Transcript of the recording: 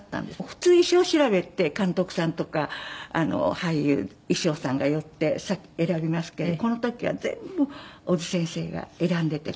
普通衣装調べって監督さんとか俳優衣装さんが寄って選びますけどこの時は全部小津先生が選んでいて。